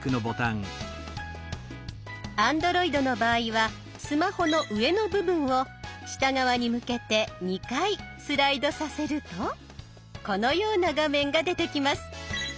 Ａｎｄｒｏｉｄの場合はスマホの上の部分を下側に向けて２回スライドさせるとこのような画面が出てきます。